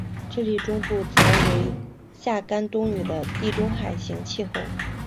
智利中部则为夏干冬雨的地中海型气候。